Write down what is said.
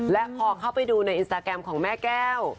และพอเข้าไปดูในอินสตาแกรมของแม่แก้ว